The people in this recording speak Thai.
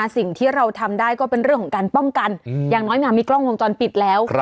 สิ่งที่เราทำได้ก็เป็นเรื่องของการป้องกันอย่างน้อยมีกล้องวงจรปิดแล้ว